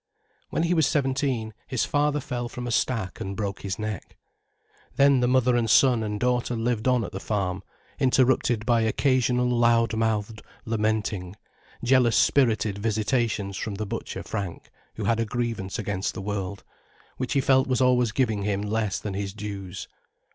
When he was seventeen, his father fell from a stack and broke his neck. Then the mother and son and daughter lived on at the farm, interrupted by occasional loud mouthed lamenting, jealous spirited visitations from the butcher Frank, who had a grievance against the world, which he felt was always giving him less than his dues.